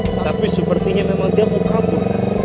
tetapi sepertinya memang dia mau kabur